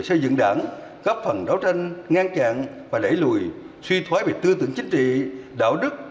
xây dựng đảng góp phần đấu tranh ngăn chặn và đẩy lùi suy thoái về tư tưởng chính trị đạo đức